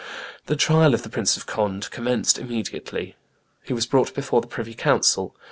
The trial of the Prince of Conde commenced immediately. He was brought before the privy council.